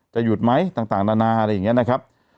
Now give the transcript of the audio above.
หยุดไหมต่างนานาอะไรอย่างนี้นะครับ